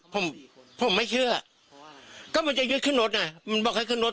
ผมผมไม่เชื่อก้มก็จะกดขึ้นรถนะกำลังคลิกขึ้นรถ